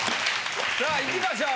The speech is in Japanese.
さあいきましょう。